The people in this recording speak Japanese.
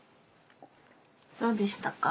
どうでしたか？